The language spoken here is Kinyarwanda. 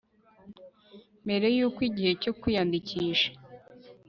mbere y uko igihe cyo kwiyandikisha